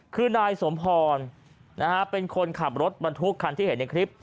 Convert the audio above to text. คือนายสมพรเป็นคนขับรถบรรทุกคันที่เห็นในคลิป